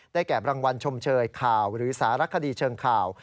แก่รางวัลชมเชยข่าวหรือสารคดีเชิงข่าว